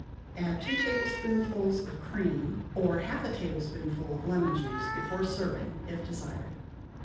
Add two tablespoonfuls of cream or half a tablespoonful of lemon juice before serving, if desired.